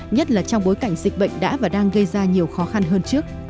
nhất là trong bối cảnh dịch bệnh đã và đang gây ra nhiều khó khăn hơn trước